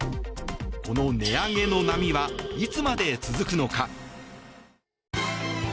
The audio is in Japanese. この値上げの波はいつまで続くのか。